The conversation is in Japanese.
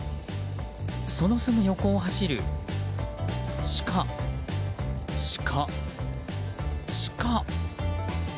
そのすぐ横を走るシカ、シカ、シカ。